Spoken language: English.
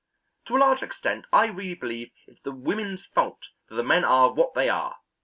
To a large extent I really believe it's the women's fault that the men are what they are.